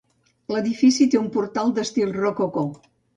L'edifici té un portal d'estil rococó.